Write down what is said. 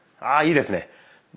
あいいですね。